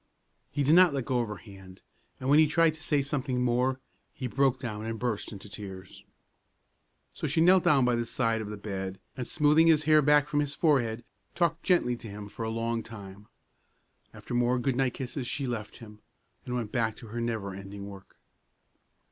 He did not let go of her hand; and when he tried to say something more, he broke down and burst into tears. So she knelt down by the side of the bed, and smoothing his hair back from his forehead, talked gently to him for a long time. After more good night kisses she left him, and went back to her never ending work.